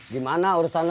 dimana olahraga irusannya